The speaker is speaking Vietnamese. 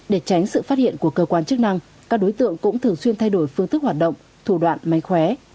để tránh sự phát hiện của cơ quan chức năng các đối tượng cũng thường xuyên thay đổi phương thức hoạt động thủ đoạn may khóe